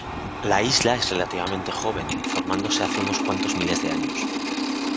La isla es relativamente joven, formándose hace unos cuantos miles de años.